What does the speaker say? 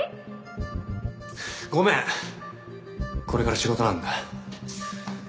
ごめんこれから仕事なんだ。